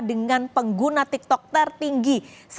dengan pengguna tiktok tertinggi